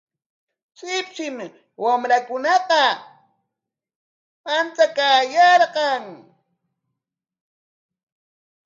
Shipshim wamrakunaqa manchakaayashqa.